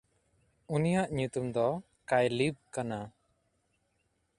ᱩᱱᱤᱭᱟᱜ ᱧᱩᱛᱩᱢ ᱫᱚ ᱠᱟᱭᱞᱤᱵ ᱠᱟᱱᱟ᱾